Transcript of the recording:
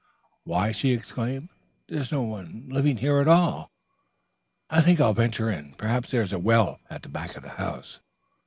Why," she exclaimed, "there's no one living here at all. I think I'll venture in, perhaps there's a well at the back of the house."